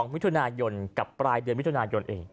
มิถุนายนกับปลายเดือนมิถุนายนเอง